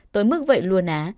tôi mức vậy luôn á